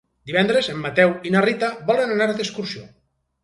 Divendres en Mateu i na Rita volen anar d'excursió.